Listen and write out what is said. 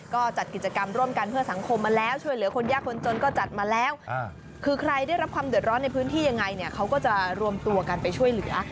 ก็จัดกิจกรรมร่วมกันเพื่อสังคมมาแล้วช่วยเหลือคนยากคนจนก็จัดมาแล้วคือใครได้รับความเดือดร้อนในพื้นที่ยังไงเนี่ยเขาก็จะรวมตัวกันไปช่วยเหลือ